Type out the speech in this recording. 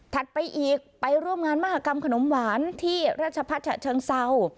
ไปอีกไปร่วมงานมหากรรมขนมหวานที่ราชพัฒนฉะเชิงเศร้า